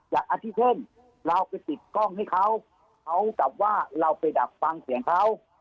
อันที่เช่นเราไปติดกล้องให้เขาเขากลับว่าเราไปดักฟังเสียงเขา